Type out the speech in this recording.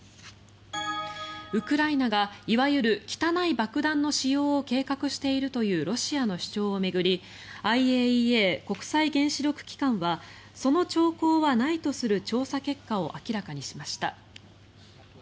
ウクライナがいわゆる汚い爆弾の使用を計画しているというロシアの主張を巡りＩＡＥＡ・国際原子力機関はその兆候はないとする調査結果を明らかにしました。